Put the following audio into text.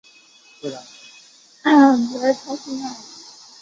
用于有机合成。